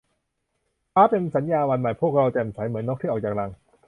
ฟ้า เป็นสัญญาวันใหม่ พวกเราแจ่มใส เหมือนนกที่ออกจากรัง